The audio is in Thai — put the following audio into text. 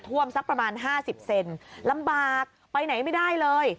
ท่วมสักประมาณห้าสิบเซนลำบากไปไหนไม่ได้เลย